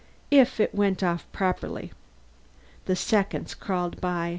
If it went off properly. The seconds crawled by.